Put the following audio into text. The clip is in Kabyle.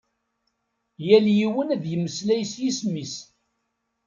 Yal yiwen ad yemmeslay s yisem-is.